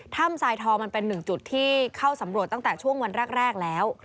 ทรายทองมันเป็นหนึ่งจุดที่เข้าสำรวจตั้งแต่ช่วงวันแรกแล้ว